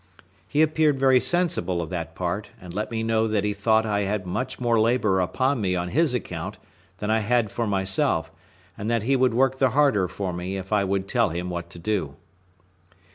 He appeared very sensible of that part, and let me know that he thought I had much more labour upon me on his account than I had for myself; and that he would work the harder for me if I would tell him what to do.